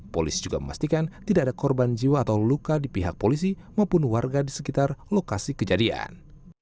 polisi juga memastikan tidak ada korban jiwa atau luka di pihak polisi maupun warga di sekitar lokasi kejadian